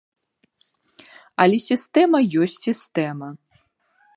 Але сістэма ёсць сістэма.